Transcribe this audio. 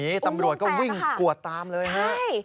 อุ้งแต่นะคะตำรวจก็วิ่งกวดตามเลยฮะใช่